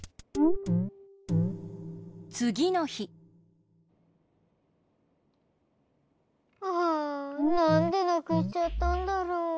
つぎのひはあなんでなくしちゃったんだろう。